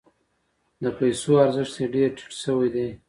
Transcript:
د پیسو ارزښت یې ډیر ټیټ شوی دی.